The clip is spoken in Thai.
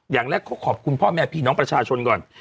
อย่างแรกเขาขอบคุณพ่อแม่พี่น้องประชาชนก่อน